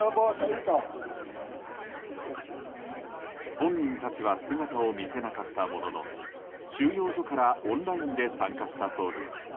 本人たちは姿を見せなかったものの収容所からオンラインで参加したそうです。